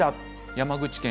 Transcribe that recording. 山口県